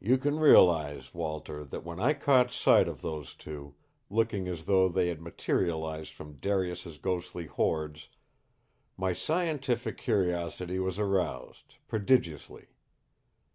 "You can realize, Walter, that when I caught sight of those two, looking as though they had materialized from Darius's ghostly hordes, my scientific curiosity was aroused prodigiously.